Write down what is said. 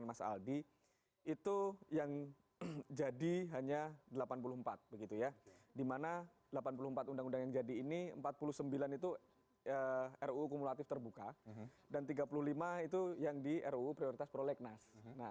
dan tiga puluh lima itu yang di ruu prioritas prolegnas